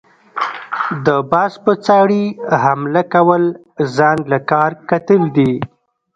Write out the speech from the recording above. د باز په څاړي حمله كول ځان له کار کتل دي۔